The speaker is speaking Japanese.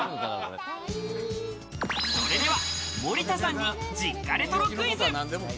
それでは森田さんに実家レトロクイズ。